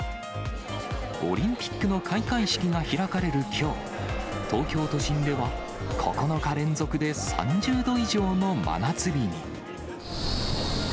オリンピックの開会式が開かれるきょう、東京都心では９日連続で３０度以上の真夏日に。